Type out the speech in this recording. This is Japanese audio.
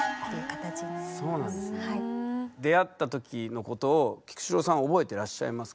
出会ったときのことを菊紫郎さんは覚えてらっしゃいますか？